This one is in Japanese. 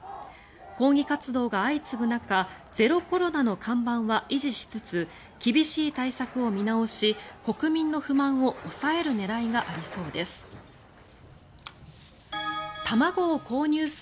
抗議活動が相次ぐ中ゼロコロナの看板は維持しつつ厳しい対策を見直し国民の不満を抑える狙いがありそうです。